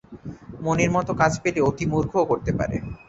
মনের মত কাজ পেলে অতি মূর্খও করতে পারে।